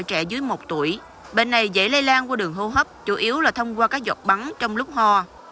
trẻ dưới một tuổi bệnh này dễ lây lan qua đường hô hấp chủ yếu là thông qua các giọt bắn trong lúc ho